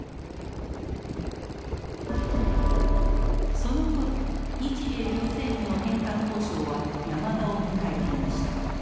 そのころ日米両政府の返還交渉は山場を迎えていました。